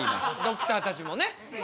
ドクターたちもね